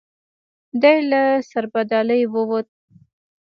دی له سربدالۍ ووت.